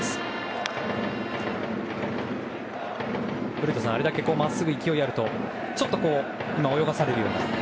古田さん、あれだけまっすぐに勢いがあるとちょっと泳がされるような。